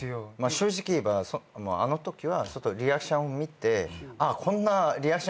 正直言えばあのときはちょっとリアクションを見て。